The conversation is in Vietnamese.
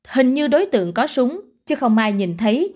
hình như đối tượng có súng chứ không ai nhìn thấy